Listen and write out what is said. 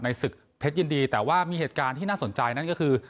ศึกเพชรยินดีแต่ว่ามีเหตุการณ์ที่น่าสนใจนั่นก็คือ